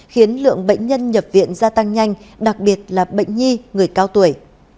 khiến lượng bệnh nhân nhập viện gia tăng nhanh đặc biệt là bệnh nhi người cao tuổi